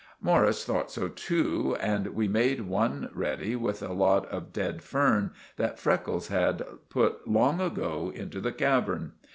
Morris thort so too and we made one reddy with a lot of ded fern that Freckles had put long ago into the cavern.